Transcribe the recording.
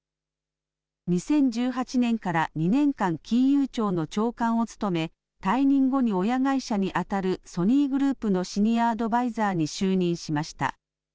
２０１８年から２年間、金融庁の長官を務め退任後に親会社にあたるソニーグループのシニアアドバイザーに就任しました。